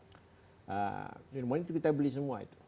semua itu kita beli semua itu